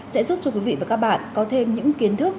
sẽ giúp cho quý vị và các bạn có thêm những kiến thức